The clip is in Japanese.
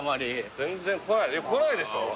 全然来ない来ないでしょ？